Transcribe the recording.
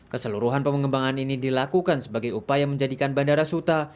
keseluruhan pengembangan ini dilakukan sebagai upaya menjadikan bandara suta